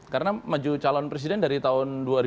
karena maju calon presiden dari tahun